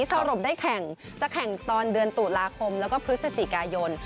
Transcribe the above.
สรุปได้แข่งจะแข่งตอนเดือนตุลาคมแล้วก็พฤศจิกายน